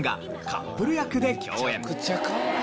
カップル役で共演。